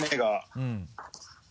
うん。